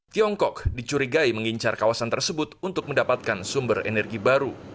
tiongkok dicurigai mengincar kawasan tersebut untuk mendapatkan sumber energi baru